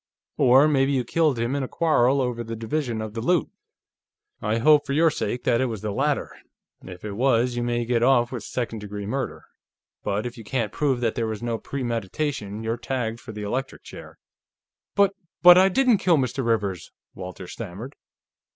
Or maybe you killed him in a quarrel over the division of the loot. I hope, for your sake, that it was the latter; if it was, you may get off with second degree murder. But if you can't prove that there was no premeditation, you're tagged for the electric chair." "But ... But I didn't kill Mr. Rivers," Walters stammered.